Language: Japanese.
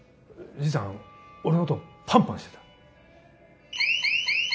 じいさん俺のことパンパンしてた。